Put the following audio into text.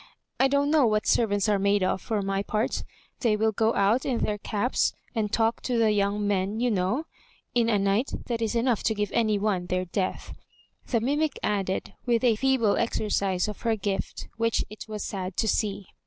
I don't know what servants are made of for my part They will go out in their caps and talk to the young men, you know, in a night that is enough to give any one their death," the mimic added, with a feeble exercise of her gift which it was sad to see.